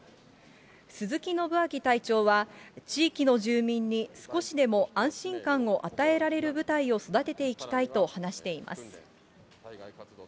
鈴木のぶあき隊長は、地域の住民に少しでも安心感を与えられる部隊を育てていきたいと話しています。